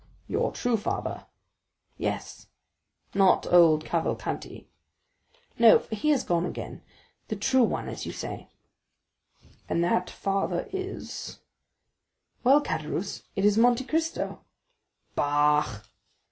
"Your true father?" "Yes." "Not old Cavalcanti?" "No, for he has gone again; the true one, as you say." "And that father is——" "Well, Caderousse, it is Monte Cristo." "Bah!"